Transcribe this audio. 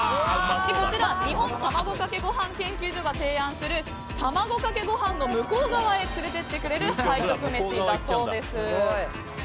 こちら、日本たまごかけごはん研究所が提案するたまごかけごはんの向こう側へ連れていってくれる背徳めしだそうです。